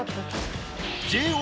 ＪＯ